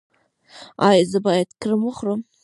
ایا زه باید کرم وخورم؟